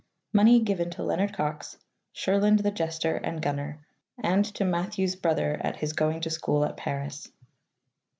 Money given to Leonard Cox, Shurland the jester and gunner, and to Matthew's brother at his going to school at Paris."